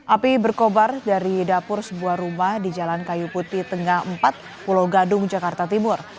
api berkobar dari dapur sebuah rumah di jalan kayu putih tengah empat pulau gadung jakarta timur